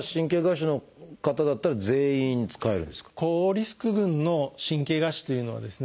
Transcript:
高リスク群の神経芽腫というのはですね